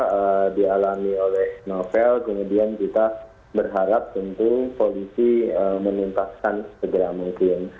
kasus ini dialami oleh novel kemudian kita berharap tentu polisi menimpaskan segera mungkin